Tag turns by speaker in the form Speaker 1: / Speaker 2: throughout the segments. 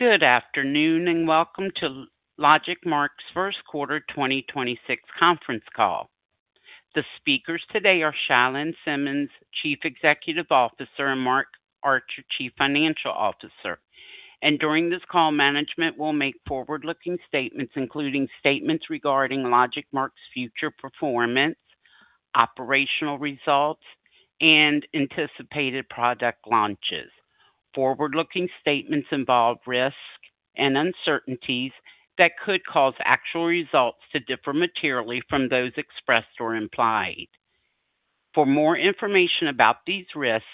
Speaker 1: Good afternoon, welcome to LogicMark's first quarter 2026 conference call. The speakers today are Chia-Lin Simmons, Chief Executive Officer, and Mark Archer, Chief Financial Officer. During this call, management will make forward-looking statements, including statements regarding LogicMark's future performance, operational results, and anticipated product launches. Forward-looking statements involve risks and uncertainties that could cause actual results to differ materially from those expressed or implied. For more information about these risks,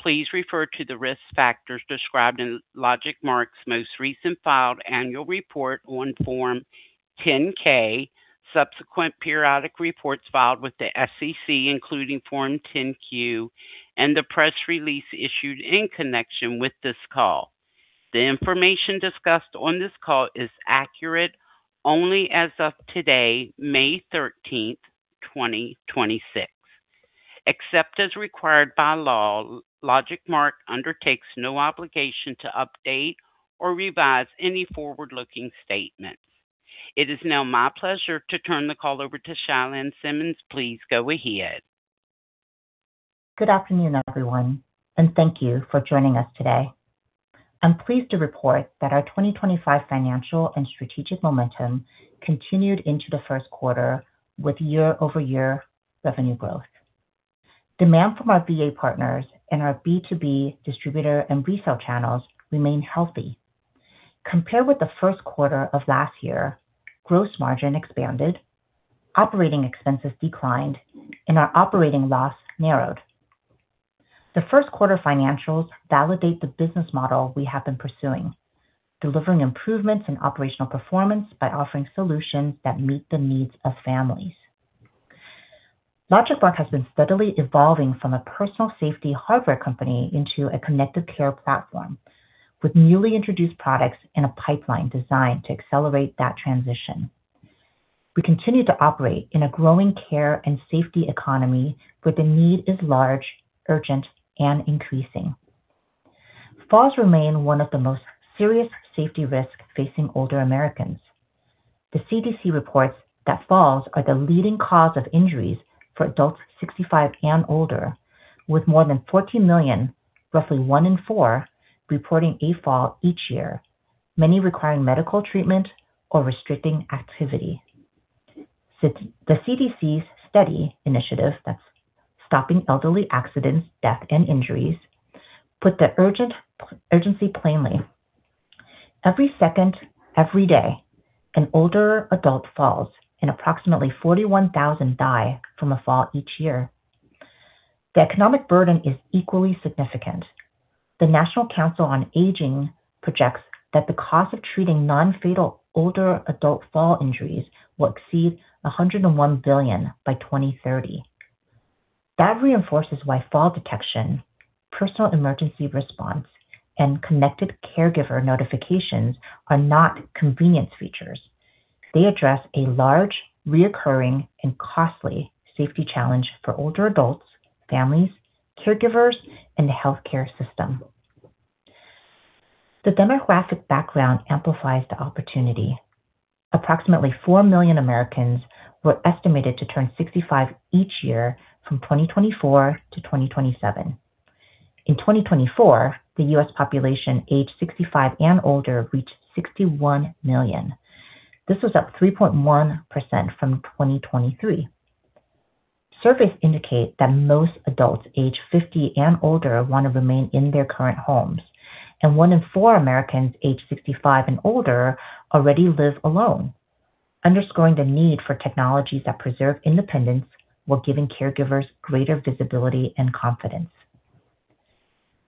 Speaker 1: please refer to the risk factors described in LogicMark's most recent filed annual report on Form 10-K, subsequent periodic reports filed with the SEC, including Form 10-Q, and the press release issued in connection with this call. The information discussed on this call is accurate only as of today, May 13th, 2026. Except as required by law, LogicMark undertakes no obligation to update or revise any forward-looking statements. It is now my pleasure to turn the call over to Chia-Lin Simmons. Please go ahead.
Speaker 2: Good afternoon, everyone, and thank you for joining us today. I'm pleased to report that our 2025 financial and strategic momentum continued into the first quarter with year-over-year revenue growth. Demand from our VA partners and our B2B distributor and resale channels remain healthy. Compared with the first quarter of last year, gross margin expanded, operating expenses declined, and our operating loss narrowed. The first quarter financials validate the business model we have been pursuing, delivering improvements in operational performance by offering solutions that meet the needs of families. LogicMark has been steadily evolving from a personal safety hardware company into a connected care platform, with newly introduced products and a pipeline designed to accelerate that transition. We continue to operate in a growing care and safety economy where the need is large, urgent, and increasing. Falls remain one of the most serious safety risks facing older Americans. The CDC reports that falls are the leading cause of injuries for adults 65 and older, with more than 14 million, roughly one in four, reporting a fall each year, many requiring medical treatment or restricting activity. The CDC's STEADI initiative, that's Stopping Elderly Accidents, Deaths, & Injuries, put the urgency plainly. Every second, every day, an older adult falls, and approximately 41,000 die from a fall each year. The economic burden is equally significant. The National Council on Aging projects that the cost of treating non-fatal older adult fall injuries will exceed $101 billion by 2030. That reinforces why fall detection, personal emergency response, and connected caregiver notifications are not convenience features. They address a large, reoccurring, and costly safety challenge for older adults, families, caregivers, and the healthcare system. The demographic background amplifies the opportunity. Approximately 4 million Americans were estimated to turn 65 each year from 2024-2027. In 2024, the U.S. population aged 65 and older reached 61 million. This was up 3.1% from 2023. Surveys indicate that most adults aged 50 and older wanna remain in their current homes, and one in four Americans aged 65 and older already live alone, underscoring the need for technologies that preserve independence while giving caregivers greater visibility and confidence.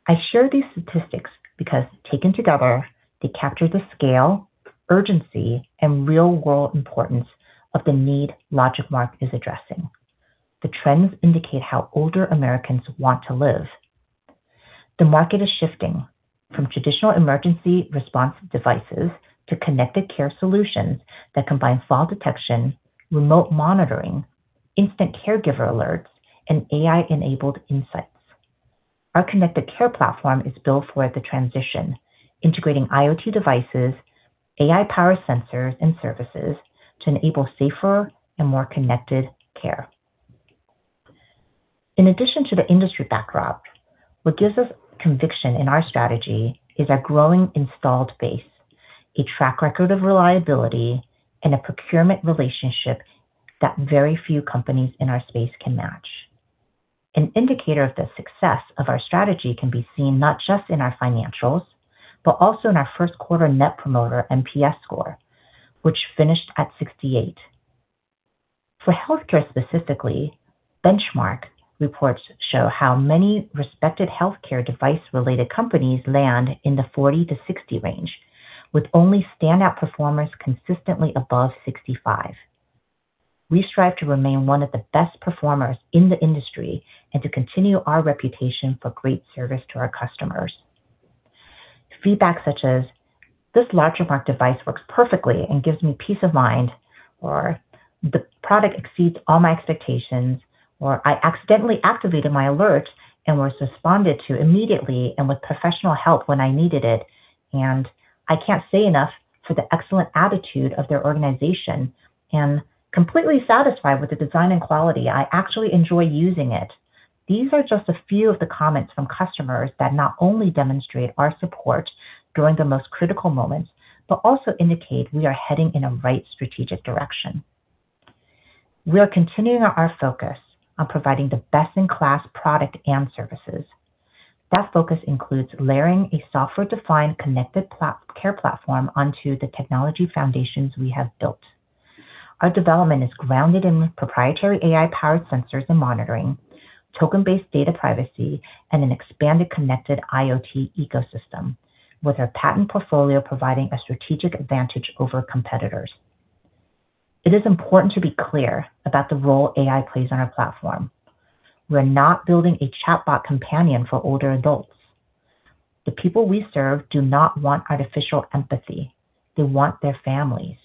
Speaker 2: I share these statistics because taken together, they capture the scale, urgency, and real-world importance of the need LogicMark is addressing. The trends indicate how older Americans want to live. The market is shifting from traditional emergency response devices to connected care solutions that combine fall detection, remote monitoring, instant caregiver alerts, and AI-enabled insights. Our connected care platform is built for the transition, integrating IoT devices, AI-powered sensors and services to enable safer and more connected care. In addition to the industry backdrop, what gives us conviction in our strategy is our growing installed base, a track record of reliability, and a procurement relationship that very few companies in our space can match. An indicator of the success of our strategy can be seen not just in our financials, but also in our first quarter net promoter NPS score, which finished at 68. For healthcare specifically, benchmark reports show how many respected healthcare device-related companies land in the 40-60 range, with only standout performers consistently above 65. We strive to remain one of the best performers in the industry and to continue our reputation for great service to our customers. Feedback such as, "This LogicMark device works perfectly and gives me peace of mind," or, "The product exceeds all my expectations." "I accidentally activated my alert and was responded to immediately and with professional help when I needed it." "I can't say enough for the excellent attitude of their organization." "Completely satisfied with the design and quality. I actually enjoy using it." These are just a few of the comments from customers that not only demonstrate our support during the most critical moments, but also indicate we are heading in a right strategic direction. We are continuing our focus on providing the best-in-class product and services. That focus includes layering a software-defined connected care platform onto the technology foundations we have built. Our development is grounded in proprietary AI-powered sensors and monitoring, token-based data privacy, and an expanded connected IoT ecosystem, with our patent portfolio providing a strategic advantage over competitors. It is important to be clear about the role AI plays on our platform. We're not building a chatbot companion for older adults. The people we serve do not want artificial empathy. They want their families.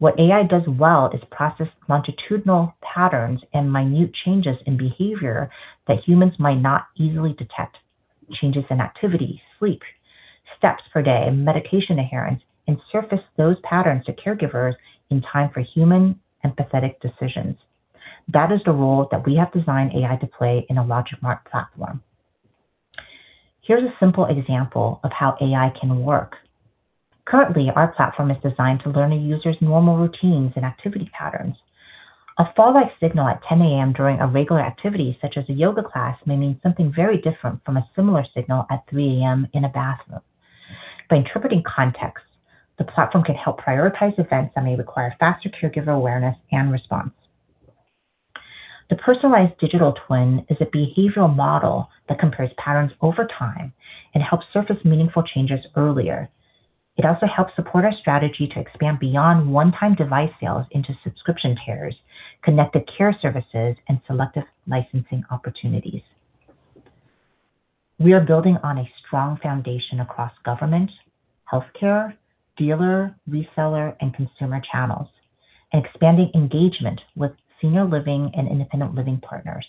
Speaker 2: What AI does well is process longitudinal patterns and minute changes in behavior that humans might not easily detect, changes in activity, sleep, steps per day, medication adherence, and surface those patterns to caregivers in time for human empathetic decisions. That is the role that we have designed AI to play in a LogicMark platform. Here's a simple example of how AI can work. Currently, our platform is designed to learn a user's normal routines and activity patterns. A fall-like signal at 10:00 A.M. during a regular activity such as a yoga class may mean something very different from a similar signal at 3:00 A.M. in a bathroom. By interpreting context, the platform can help prioritize events that may require faster caregiver awareness and response. The personalized digital twin is a behavioral model that compares patterns over time and helps surface meaningful changes earlier. It also helps support our strategy to expand beyond one-time device sales into subscription cares, connected care services, and selective licensing opportunities. We are building on a strong foundation across government, healthcare, dealer, reseller, and consumer channels, and expanding engagement with senior living and independent living partners.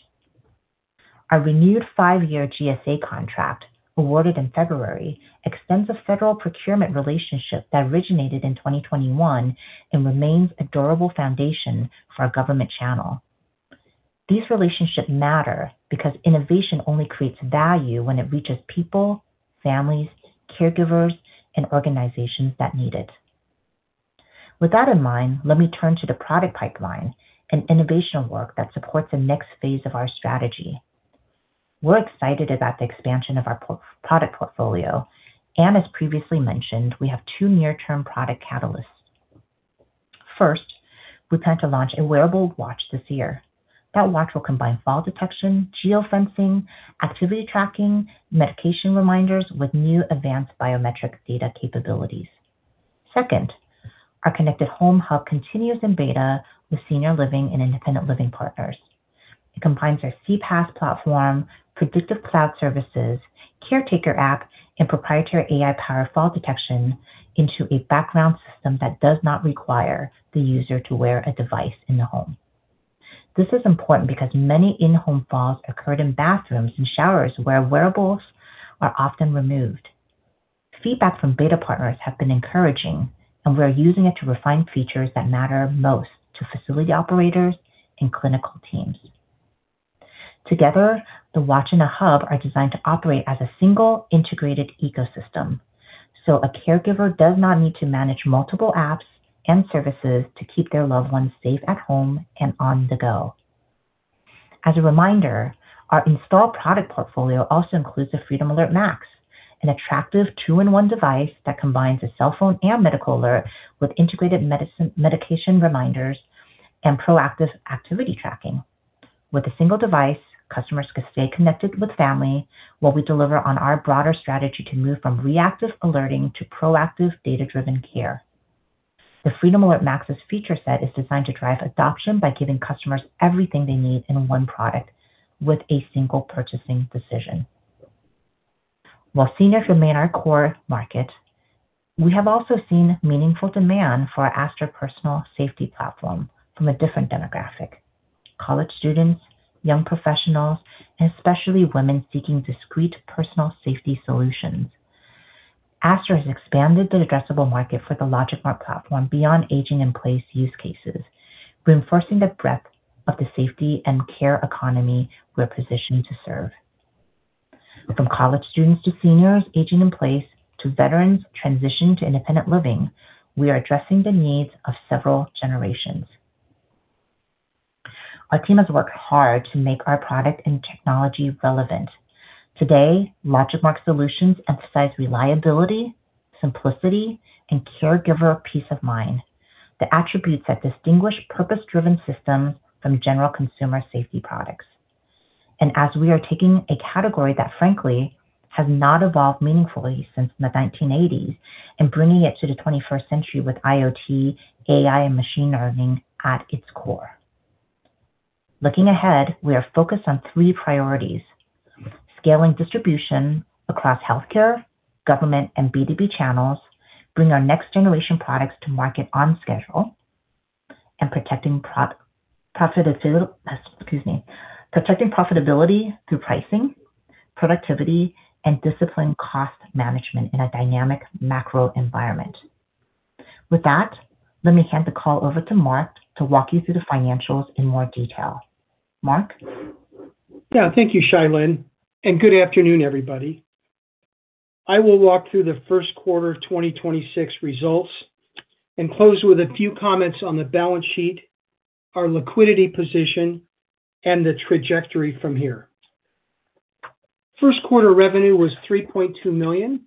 Speaker 2: Our renewed five-year GSA contract, awarded in February, extends the federal procurement relationship that originated in 2021 and remains a durable foundation for our government channel. These relationships matter because innovation only creates value when it reaches people, families, caregivers, and organizations that need it. With that in mind, let me turn to the product pipeline and innovation work that supports the next phase of our strategy. We're excited about the expansion of our product portfolio, and as previously mentioned, we have two near-term product catalysts. First, we plan to launch a wearable watch this year. That watch will combine fall detection, geofencing, activity tracking, medication reminders with new advanced biometric data capabilities. Second, our connected home hub continues in beta with senior living and independent living partners. It combines our CPaaS platform, predictive cloud services, caretaker app, and proprietary AI-powered fall detection into a background system that does not require the user to wear a device in the home. This is important because many in-home falls occur in bathrooms and showers where wearables are often removed. Feedback from beta partners have been encouraging. We're using it to refine features that matter most to facility operators and clinical teams. Together, the watch and the hub are designed to operate as a single integrated ecosystem. A caregiver does not need to manage multiple apps and services to keep their loved ones safe at home and on the go. As a reminder, our installed product portfolio also includes the Freedom Alert Max, an attractive two-in-one device that combines a cell phone and medical alert with integrated medication reminders and proactive activity tracking. With a single device, customers can stay connected with family while we deliver on our broader strategy to move from reactive alerting to proactive data-driven care. The Freedom Alert Max's feature set is designed to drive adoption by giving customers everything they need in one product with a single purchasing decision. While seniors remain our core market, we have also seen meaningful demand for our Aster personal safety platform from a different demographic, college students, young professionals, and especially women seeking discreet personal safety solutions. Aster has expanded the addressable market for the LogicMark platform beyond aging-in-place use cases, reinforcing the breadth of the safety and care economy we're positioned to serve. From college students to seniors aging in place to veterans transitioning to independent living, we are addressing the needs of several generations. Our team has worked hard to make our product and technology relevant. Today, LogicMark solutions emphasize reliability, simplicity, and caregiver peace of mind, the attributes that distinguish purpose-driven systems from general consumer safety products. As we are taking a category that frankly has not evolved meaningfully since the 1980s and bringing it to the 21st century with IoT, AI, and machine learning at its core. Looking ahead, we are focused on three priorities. Scaling distribution across healthcare, government, and B2B channels, bring our next generation products to market on schedule, and protecting profitability through pricing, productivity, and disciplined cost management in a dynamic macro environment. With that, let me hand the call over to Mark to walk you through the financials in more detail. Mark?
Speaker 3: Yeah. Thank you, Simmons, and good afternoon, everybody. I will walk through the first quarter 2026 results and close with a few comments on the balance sheet, our liquidity position, and the trajectory from here. First quarter revenue was $3.2 million,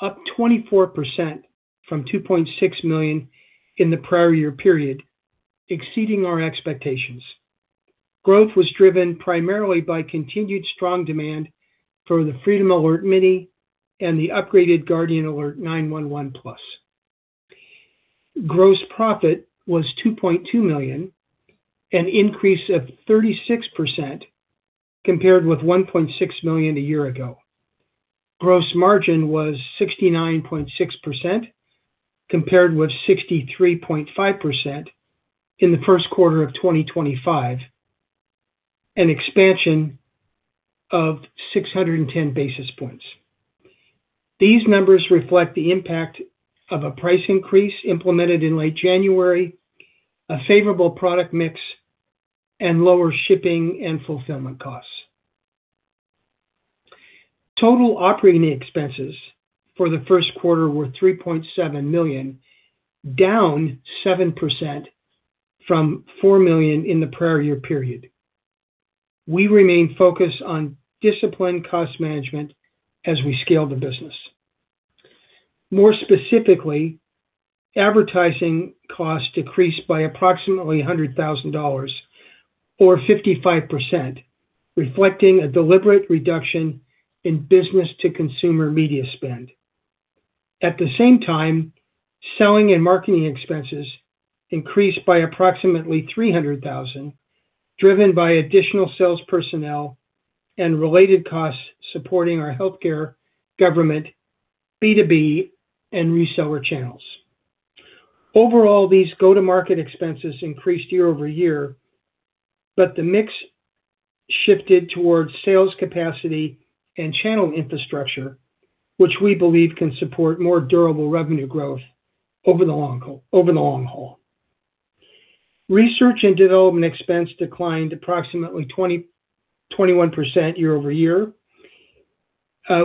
Speaker 3: up 24% from $2.6 million in the prior year period, exceeding our expectations. Growth was driven primarily by continued strong demand for the Freedom Alert Mini and the upgraded Guardian Alert 911 Plus. Gross profit was $2.2 million, an increase of 36% compared with $1.6 million a year ago. Gross margin was 69.6% compared with 63.5% in the first quarter of 2025, an expansion of 610 basis points. These numbers reflect the impact of a price increase implemented in late January, a favorable product mix, and lower shipping and fulfillment costs. Total operating expenses for the first quarter were $3.7 million, down 7% from $4 million in the prior-year period. We remain focused on disciplined cost management as we scale the business. More specifically, advertising costs decreased by approximately $100,000 or 55%, reflecting a deliberate reduction in business-to-consumer media spend. At the same time, selling and marketing expenses increased by approximately $300,000, driven by additional sales personnel and related costs supporting our healthcare, government, B2B, and reseller channels. Overall, these go-to-market expenses increased year-over-year, but the mix shifted towards sales capacity and channel infrastructure, which we believe can support more durable revenue growth over the long haul. Research and development expense declined approximately 21% year-over-year.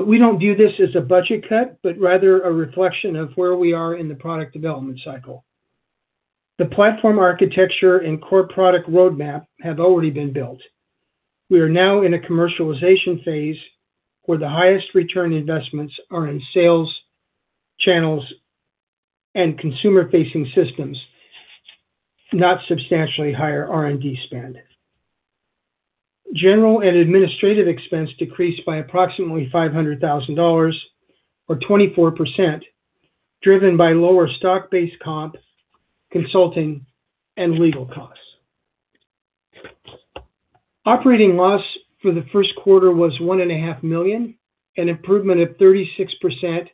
Speaker 3: We don't view this as a budget cut, but rather a reflection of where we are in the product development cycle. The platform architecture and core product roadmap have already been built. We are now in a commercialization phase where the highest return investments are in sales, channels, and consumer-facing systems, not substantially higher R&D spend. General and administrative expense decreased by approximately $500,000 or 24%, driven by lower stock-based comp, consulting, and legal costs. Operating loss for the first quarter was $1.5 million, an improvement of 36%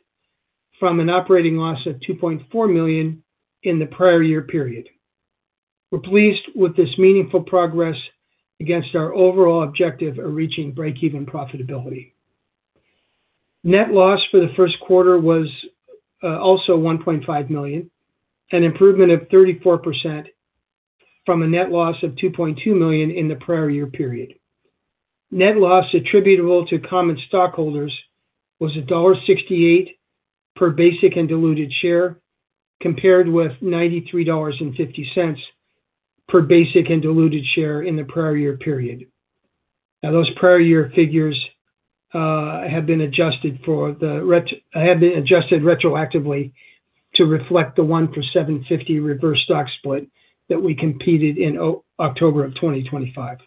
Speaker 3: from an operating loss of $2.4 million in the prior year period. We're pleased with this meaningful progress against our overall objective of reaching break-even profitability. Net loss for the first quarter was also $1.5 million, an improvement of 34% from a net loss of $2.2 million in the prior year period. Net loss attributable to common stockholders was $1.68 per basic and diluted share, compared with $93.50 per basic and diluted share in the prior year period. Those prior year figures have been adjusted retroactively to reflect the one for 750 reverse stock split that we completed in October of 2025.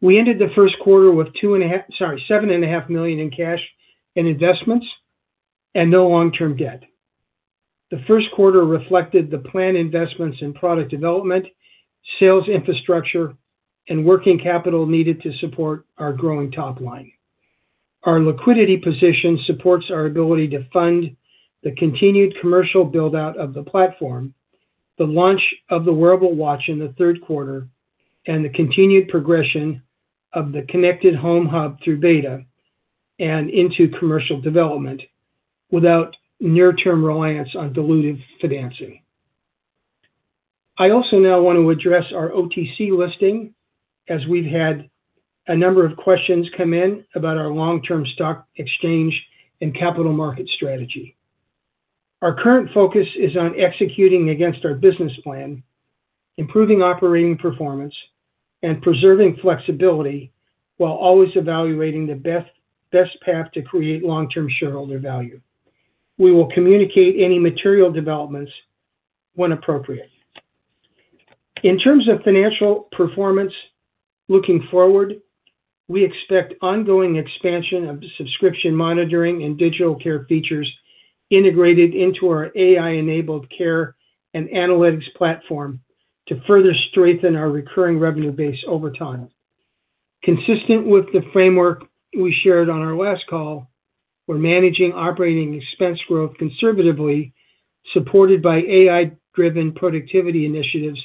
Speaker 3: We ended the first quarter with $7.5 million in cash and investments and no long-term debt. The first quarter reflected the planned investments in product development, sales infrastructure, and working capital needed to support our growing top line. Our liquidity position supports our ability to fund the continued commercial build-out of the platform, the launch of the wearable watch in the third quarter, and the continued progression of the connected home hub through beta and into commercial development without near-term reliance on dilutive financing. I also now want to address our OTC listing, as we've had a number of questions come in about our long-term stock exchange and capital market strategy. Our current focus is on executing against our business plan, improving operating performance, and preserving flexibility while always evaluating the best path to create long-term shareholder value. We will communicate any material developments when appropriate. In terms of financial performance looking forward, we expect ongoing expansion of subscription monitoring and digital care features integrated into our AI-enabled care and analytics platform to further strengthen our recurring revenue base over time. Consistent with the framework we shared on our last call, we're managing operating expense growth conservatively, supported by AI-driven productivity initiatives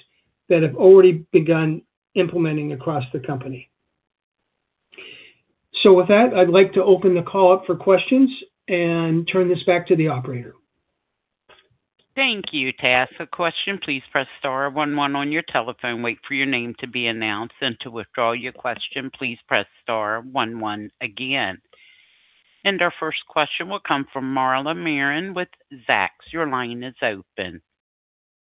Speaker 3: that have already begun implementing across the company. With that, I'd like to open the call up for questions and turn this back to the operator.
Speaker 1: Thank you. To ask a question, please press star one one on your telephone, wait for your name to be announced. To withdraw your question, please press star one one again. Our first question will come from Marla Marin with Zacks. Your line is open.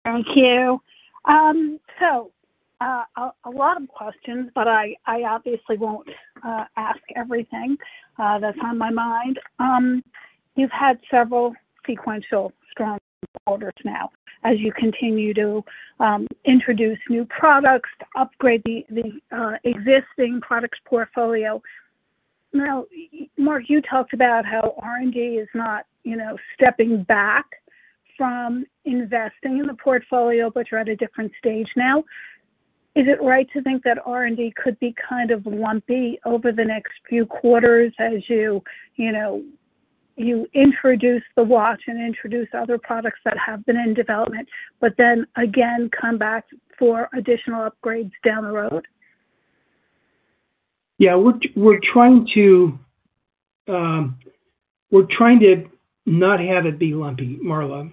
Speaker 4: Thank you. A lot of questions, but I obviously won't ask everything that's on my mind. You've had several sequential strong quarters now as you continue to introduce new products to upgrade the existing products portfolio. Now, Mark, you talked about how R&D is not, you know, stepping back from investing in the portfolio, but you're at a different stage now. Is it right to think that R&D could be kind of lumpy over the next few quarters as you know, you introduce the watch and introduce other products that have been in development, but then again come back for additional upgrades down the road?
Speaker 3: Yeah, we're trying to not have it be lumpy, Marla.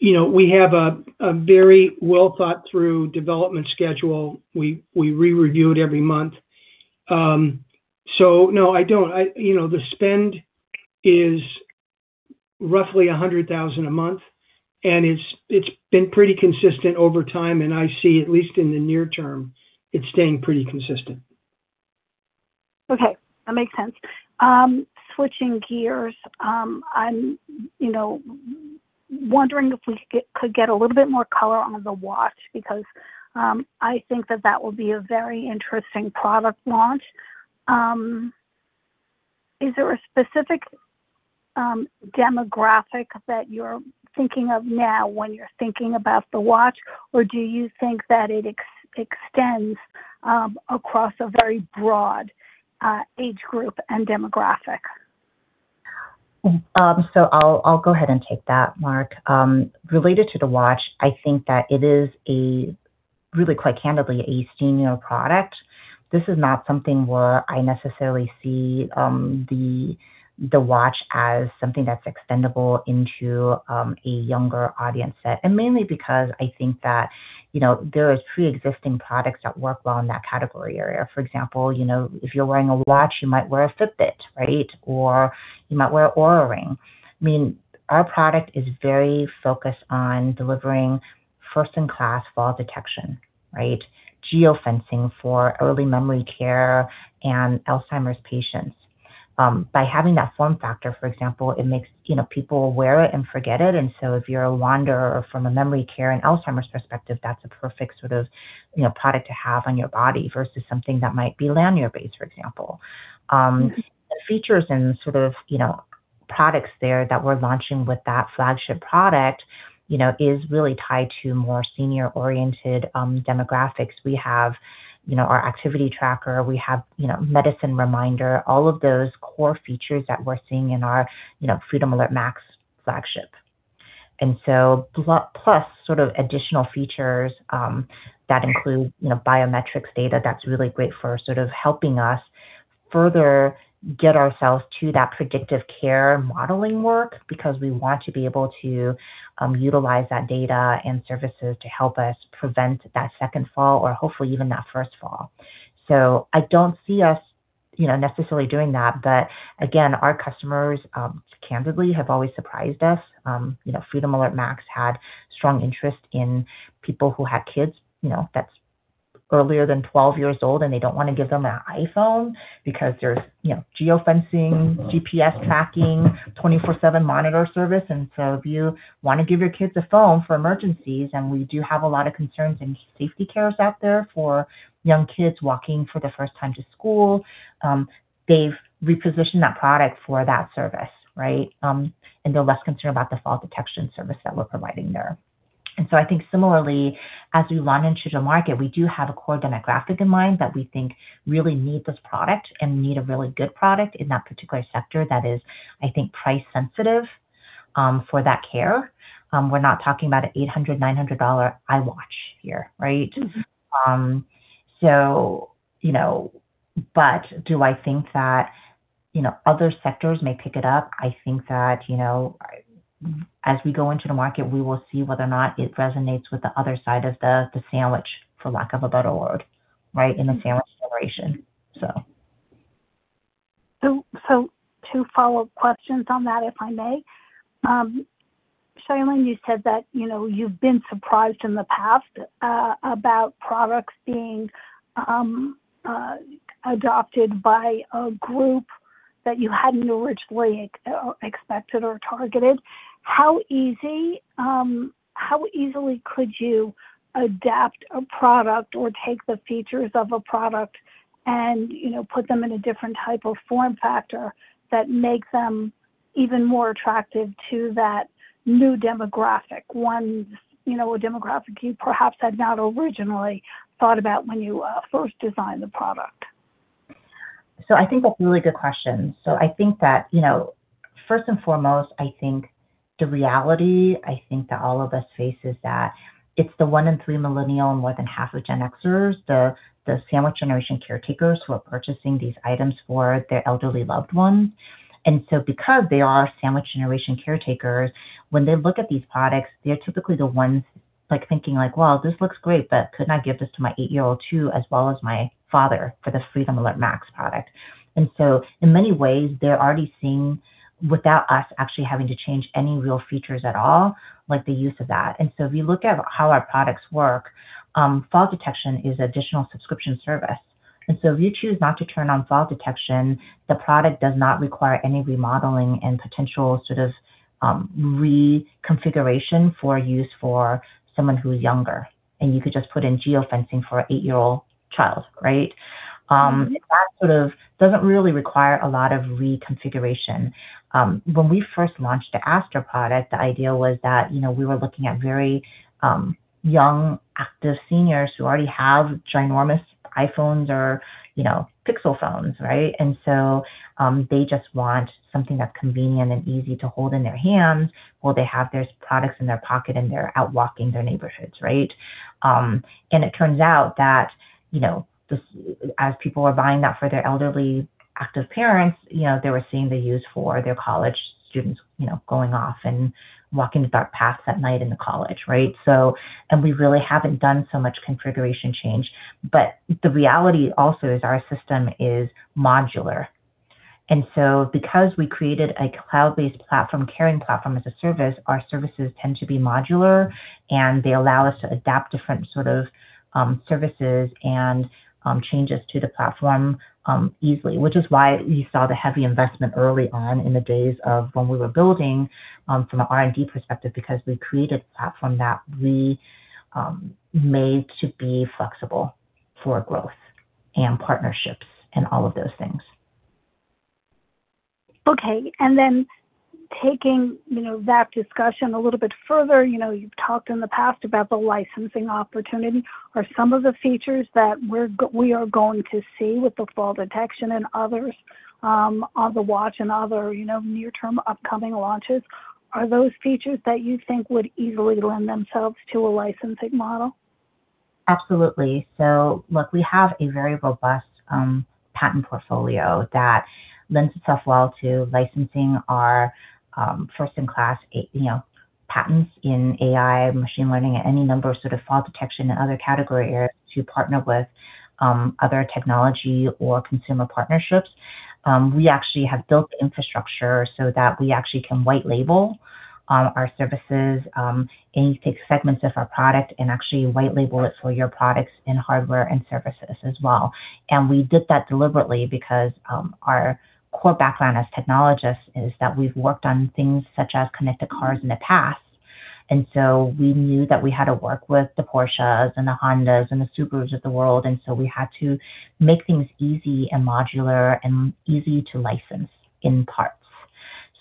Speaker 3: You know, we have a very well-thought-through development schedule. We re-review it every month. No, I don't. You know, the spend is roughly $100,000 a month, and it's been pretty consistent over time, and I see at least in the near term, it staying pretty consistent.
Speaker 4: Okay. That makes sense. Switching gears. I'm, you know, wondering if we could get a little bit more color on the watch because I think that that will be a very interesting product launch. Is there a specific demographic that you're thinking of now when you're thinking about the watch, or do you think that it extends across a very broad age group and demographic?
Speaker 2: I'll go ahead and take that, Mark. Related to the watch, I think that it is a really, quite candidly, a senior product. This is not something where I necessarily see the watch as something that's extendable into a younger audience set. Mainly because I think that, you know, there are preexisting products that work well in that category area. For example, you know, if you're wearing a watch, you might wear a Fitbit, right? You might wear an Oura Ring. I mean, our product is very focused on delivering first-in-class fall detection, right? Geofencing for early memory care and Alzheimer's patients. By having that form factor, for example, it makes, you know, people wear it and forget it. If you're a wanderer from a memory care and Alzheimer's perspective, that's a perfect sort of, you know, product to have on your body versus something that might be lanyard-based, for example. The features and sort of, you know, products there that we're launching with that flagship product, you know, is really tied to more senior-oriented demographics. We have, you know, our activity tracker. We have, you know, medicine reminder, all of those core features that we're seeing in our, you know, Freedom Alert Max flagship. Plus sort of additional features that include, you know, biometrics data that's really great for sort of helping us further get ourselves to that predictive care modeling work because we want to be able to utilize that data and services to help us prevent that second fall or hopefully even that first fall. I don't see us, you know, necessarily doing that. Again, our customers, candidly have always surprised us. You know, Freedom Alert Max had strong interest in people who had kids, you know, that's earlier than 12 years old, and they don't wanna give them an iPhone because there's, you know, geofencing, GPS tracking, 24/7 monitor service. If you wanna give your kids a phone for emergencies, and we do have a lot of concerns in safety cares out there for young kids walking for the first time to school, they've repositioned that product for that service, right? They're less concerned about the fall detection service that we're providing there. I think similarly, as we launch into the market, we do have a core demographic in mind that we think really need this product and need a really good product in that particular sector that is, I think, price sensitive for that care. We're not talking about an $800, $900 Apple Watch here, right? Do I think that, you know, other sectors may pick it up? I think that, you know, as we go into the market, we will see whether or not it resonates with the other side of the sandwich, for lack of a better word, right, in the sandwich generation.
Speaker 4: Two follow-up questions on that, if I may. Chia-Lin Simmons, you said that, you know, you've been surprised in the past about products being adopted by a group that you hadn't originally expected or targeted? How easy, how easily could you adapt a product or take the features of a product and, you know, put them in a different type of form factor that makes them even more attractive to that new demographic, one, you know, a demographic you perhaps had not originally thought about when you first designed the product?
Speaker 2: I think that's a really good question. I think that, you know, first and foremost, I think the reality, I think that all of us face is that it's the one in three millennial and more than half of Gen Xers, the sandwich generation caretakers who are purchasing these items for their elderly loved ones. Because they are sandwich generation caretakers, when they look at these products, they're typically the ones like thinking like, "Well, this looks great, but couldn't I give this to my eight-year-old too, as well as my father for this Freedom Alert Max product?" In many ways, they're already seeing, without us actually having to change any real features at all, like the use of that. If you look at how our products work, fall detection is additional subscription service. If you choose not to turn on fall detection, the product does not require any remodeling and potential sort of reconfiguration for use for someone who is younger, and you could just put in geofencing for an eight-year-old child, right? That sort of doesn't really require a lot of reconfiguration. When we first launched the Aster product, the idea was that, you know, we were looking at very young, active seniors who already have ginormous iPhones or, you know, Pixel phones, right? They just want something that's convenient and easy to hold in their hands while they have those products in their pocket and they're out walking their neighborhoods, right? It turns out that, you know, as people were buying that for their elderly active parents, you know, they were seeing the use for their college students, you know, going off and walking dark paths at night in the college, right? We really haven't done so much configuration change. The reality also is our system is modular. Because we created a cloud-based platform, Communications Platform as a Service, our services tend to be modular, and they allow us to adapt different sort of services and changes to the platform easily, which is why you saw the heavy investment early on in the days of when we were building from an R&D perspective because we created a platform that we made to be flexible for growth and partnerships and all of those things.
Speaker 4: Okay. Taking, you know, that discussion a little bit further, you know, you've talked in the past about the licensing opportunity. Are some of the features that we are going to see with the fall detection and others on the watch and other, you know, near-term upcoming launches, are those features that you think would easily lend themselves to a licensing model?
Speaker 2: Absolutely. Look, we have a very robust patent portfolio that lends itself well to licensing our first-in-class, you know, patents in AI, machine learning, and any number of sort of fall detection and other category areas to partner with other technology or consumer partnerships. We actually have built the infrastructure so that we actually can white label our services, any segments of our product and actually white label it for your products and hardware and services as well. We did that deliberately because our core background as technologists is that we've worked on things such as connected cars in the past. We knew that we had to work with the Porsche and the Honda and the Subaru of the world, we had to make things easy and modular and easy to license in parts.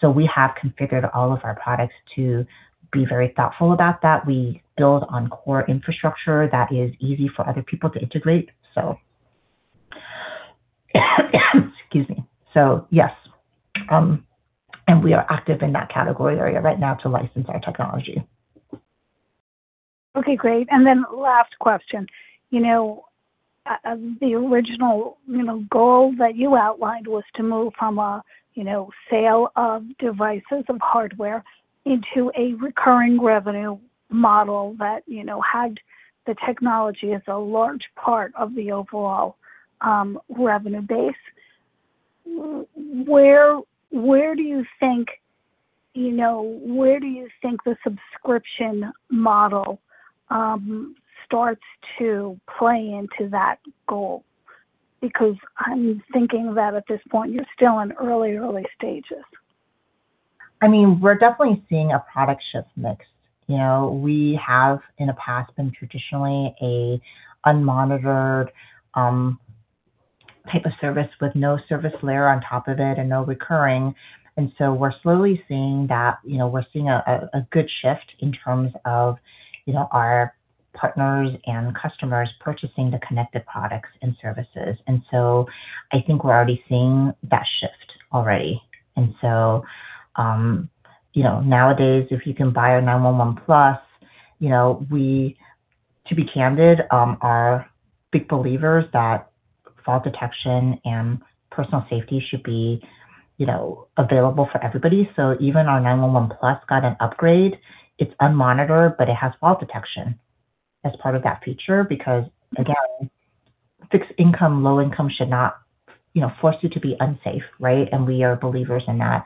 Speaker 2: We have configured all of our products to be very thoughtful about that. We build on core infrastructure that is easy for other people to integrate. Excuse me. Yes, and we are active in that category area right now to license our technology.
Speaker 4: Okay, great. Last question. You know, the original, you know, goal that you outlined was to move from a, you know, sale of devices, of hardware into a recurring revenue model that, you know, had the technology as a large part of the overall revenue base. Where do you think, you know, where do you think the subscription model starts to play into that goal? Because I'm thinking that at this point you're still in early stages.
Speaker 2: I mean, we're definitely seeing a product shift mix. You know, we have in the past been traditionally a unmonitored type of service with no service layer on top of it and no recurring. We're slowly seeing that, you know, we're seeing a good shift in terms of, you know, our partners and customers purchasing the connected products and services. I think we're already seeing that shift already. You know, nowadays, if you can buy a 911 Plus, you know, to be candid, are big believers that fall detection and personal safety should be, you know, available for everybody. Even our 911 Plus got an upgrade. It's unmonitored, but it has fall detection as part of that feature because, again, fixed income, low income should not, you know, force you to be unsafe, right? We are believers in that.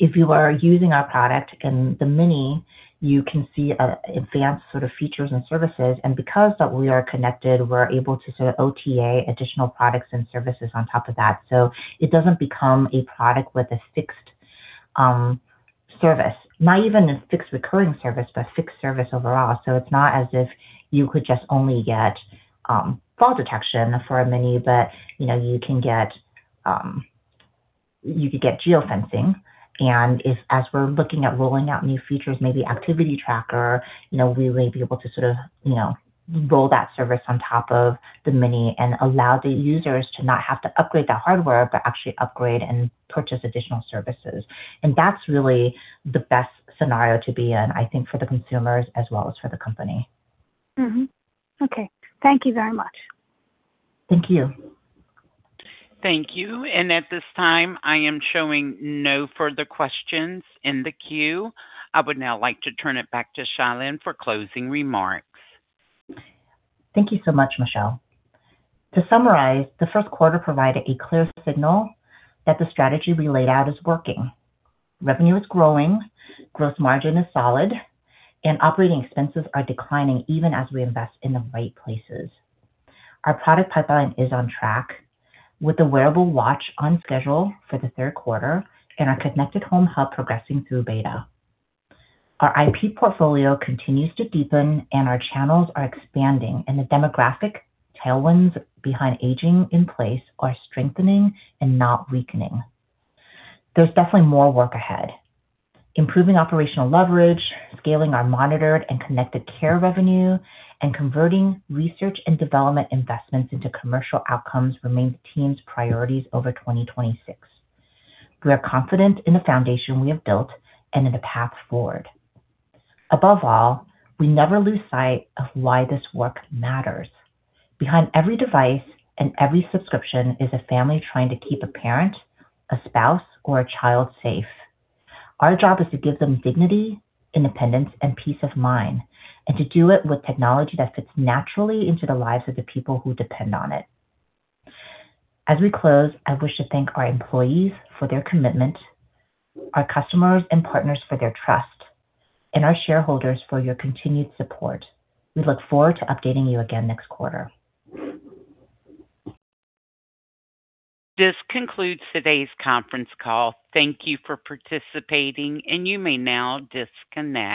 Speaker 2: If you are using our product in the Mini, you can see, advanced sort of features and services. Because that we are connected, we're able to sort of OTA additional products and services on top of that. It doesn't become a product with a fixed service, not even a fixed recurring service, but fixed service overall. It's not as if you could just only get, fall detection for a Mini, but, you know, you can get, you could get geofencing. As we're looking at rolling out new features, maybe activity tracker, you know, we may be able to sort of, you know, roll that service on top of the Mini and allow the users to not have to upgrade the hardware, but actually upgrade and purchase additional services. That's really the best scenario to be in, I think, for the consumers as well as for the company.
Speaker 4: Mm-hmm. Okay. Thank you very much.
Speaker 2: Thank you.
Speaker 1: Thank you. At this time, I am showing no further questions in the queue. I would now like to turn it back to Chia-Lin Simmons for closing remarks.
Speaker 2: Thank you so much, Michelle. To summarize, the first quarter provided a clear signal that the strategy we laid out is working. Revenue is growing, gross margin is solid, and operating expenses are declining even as we invest in the right places. Our product pipeline is on track, with the wearable watch on schedule for the third quarter and our connected home hub progressing through beta. Our IP portfolio continues to deepen, and our channels are expanding, and the demographic tailwinds behind aging in place are strengthening and not weakening. There's definitely more work ahead. Improving operational leverage, scaling our monitored and connected care revenue, and converting research and development investments into commercial outcomes remain the team's priorities over 2026. We are confident in the foundation we have built and in the path forward. Above all, we never lose sight of why this work matters. Behind every device and every subscription is a family trying to keep a parent, a spouse, or a child safe. Our job is to give them dignity, independence, and peace of mind, and to do it with technology that fits naturally into the lives of the people who depend on it. As we close, I wish to thank our employees for their commitment, our customers and partners for their trust, and our shareholders for your continued support. We look forward to updating you again next quarter.
Speaker 1: This concludes today's conference call. Thank you for participating, and you may now disconnect.